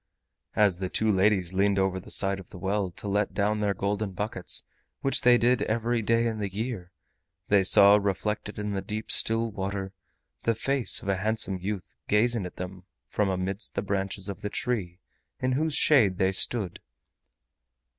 As the two ladies leaned over the side of the well to let down their golden buckets, which they did every day in the year, they saw reflected in the deep still water the face of a handsome youth gazing at them from amidst the branches of the tree in whose shade they stood.